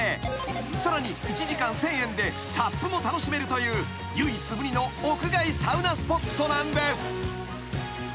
［さらに１時間１，０００円でＳＵＰも楽しめるという唯一無二の屋外サウナスポットなんです］